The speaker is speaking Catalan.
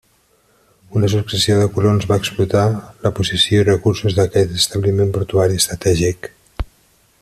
Una successió de colons va explotar la posició i recursos d'aquest establiment portuari estratègic.